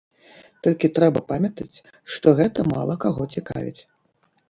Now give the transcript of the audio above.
Толькі трэба памятаць, што гэта мала каго цікавіць.